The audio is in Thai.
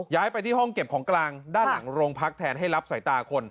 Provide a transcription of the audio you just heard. ย้ายไปที่ห้องเก็บของกลางด้านหลังโรงพักแทนให้รับสายตาคน